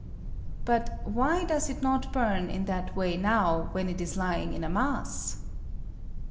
But why does it not bum in that way now when it is lying in a mass?